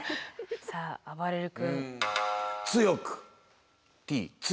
さああばれる君。